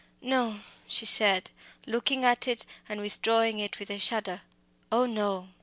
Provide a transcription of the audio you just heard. "No!" she said, looking at it and withdrawing it with a shudder; "oh no!"